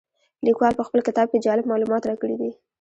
لیکوال په خپل کتاب کې جالب معلومات راکړي دي.